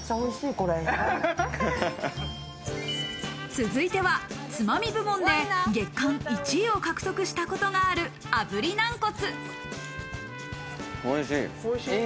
続いては、つまみ部門で月間１位を獲得したことがある炙り軟骨。